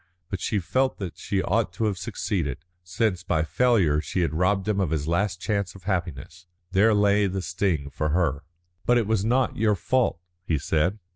But she felt that she ought to have succeeded, since by failure she had robbed him of his last chance of happiness. There lay the sting for her. "But it was not your fault," he said.